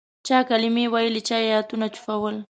چا کلمې ویلې چا آیتونه چوفول.